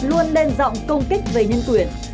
luôn lên giọng công kích về nhân quyền